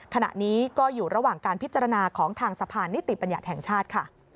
ขณะนี้ก็อยู่ระหว่างการพิจารณาของทางสะพานนิติบัญญัติแห่งชาติค่ะ